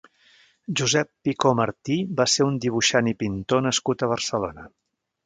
Josep Picó Martí va ser un dibuixant i pintor nascut a Barcelona.